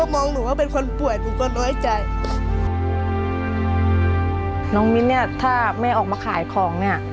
เมื่อแม่ออกมาขายของเนี่ย